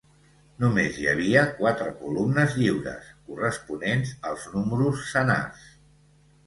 Només hi havia quatre columnes lliures, corresponents als números senars.